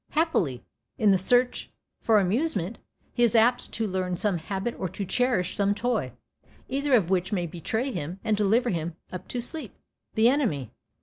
Happily, in the search for amusement, he is apt to learn some habit or to cherish some toy, either of which may betray him and deliver him up to sleep, the enemy.